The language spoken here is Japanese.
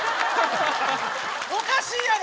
おかしいやろ！